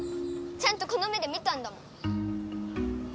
ちゃんとこの目で見たんだもん！